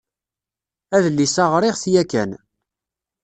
Adlis-a ɣṛiɣ-t yakan.